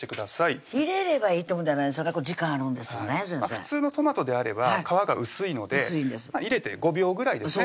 普通のトマトであれば皮が薄いので入れて５秒ぐらいですね